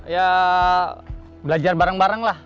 ya belajar bareng bareng lah